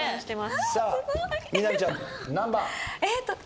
さあみな実ちゃん何番？